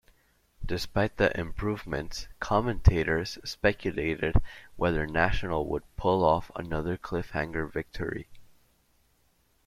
Despite the improvements, commentators speculated whether National would pull off another cliffhanger victory.